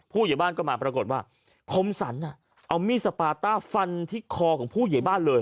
เหยียบ้านก็มาปรากฏว่าคมสรรเอามีดสปาต้าฟันที่คอของผู้ใหญ่บ้านเลย